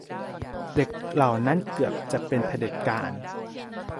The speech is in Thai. เด็กเหล่านั้นเกือบจะเป็นเผด็จการ